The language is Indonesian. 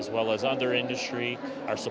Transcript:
dan industri lainnya